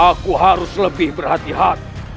aku harus lebih berhati hati